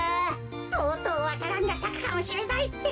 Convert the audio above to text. とうとうわか蘭がさくかもしれないってか。